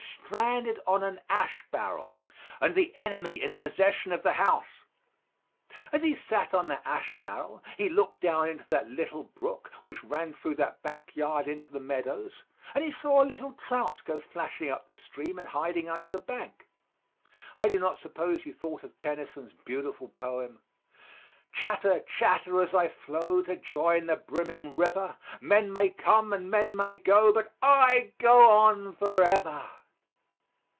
Stranded on an ash barrel and the enemy in possession of the house! As he sat on that ash barrel, he looked down into that little brook which ran through that back yard into the meadows, and he saw a little trout go flashing up the stream and hiding under the bank. I do not suppose he thought of Tennyson's beautiful poem: "Chatter, chatter, as I flow, To join the brimming river, Men may come, and men may go, But I go on forever."